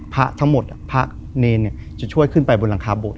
พระทั้งหมดพระเนรจะช่วยขึ้นไปบนหลังคาโบส